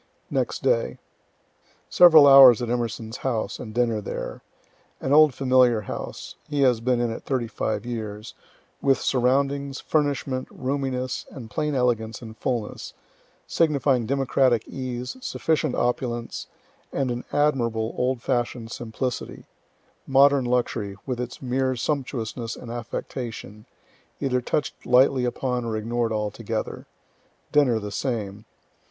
Next Day. Several hours at E.'s house, and dinner there. An old familiar house, (he has been in it thirty five years,) with surroundings, furnishment, roominess, and plain elegance and fullness, signifying democratic ease, sufficient opulence, and an admirable old fashioned simplicity modern luxury, with its mere sumptuousness and affectation, either touch'd lightly upon or ignored altogether. Dinner the same.